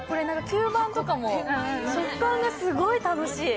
吸盤とかも食感がすごい楽しい。